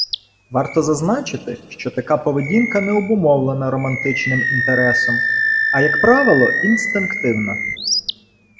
Варто зазначити, що така поведінка не обумовлена романтичним інтересом, а, як правило, інстинктивна.